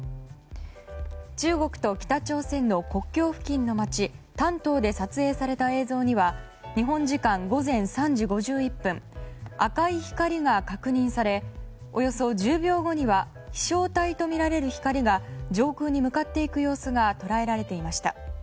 中国と北朝鮮の国境付近の街丹東で撮影された映像には日本時間午前３時５１分赤い光が確認されおよそ１０秒後には飛翔体とみられる光が上空に向かっていく様子が捉えられていました。